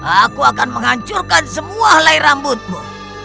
aku akan menghancurkan semua helai rambutmu